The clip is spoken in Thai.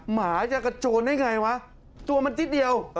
หมาจะกระโจนได้ไงวะตัวมันนิดเดียว